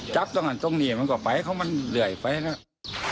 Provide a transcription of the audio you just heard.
จับตรงนั้นตรงนี้มันกล่าวมาแล้วเลยหลายไปเลย